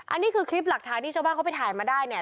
อันนี้คือคลิปหลักฐานที่ชาวบ้านเขาไปถ่ายมาได้เนี่ย